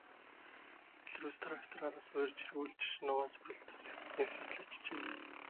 Белорусс трактор араасаа хоёр чиргүүл чирч, ногоон сүрэл нэвсийтэл ачжээ.